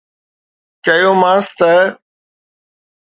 چيومانس ته